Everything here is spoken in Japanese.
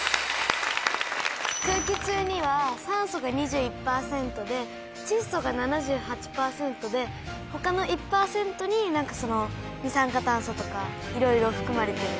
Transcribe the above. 空気中には酸素が２１％でちっ素が７８％で他の１％に二酸化炭素とかいろいろ含まれてる。